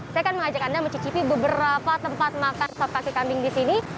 saya akan mengajak anda mencicipi beberapa tempat makan sop kaki kambing di sini